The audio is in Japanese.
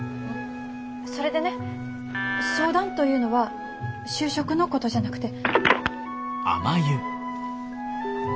それでね相談というのは就職のことじゃなくて。